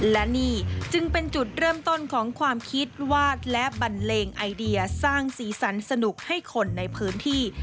และนี่จึงเป็นจุดเริ่มต้นของความคิดวาดและบันเลงไอเดียสร้างสีสันสนุกให้คนในพื้นที่